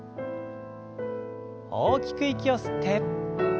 大きく息を吸って。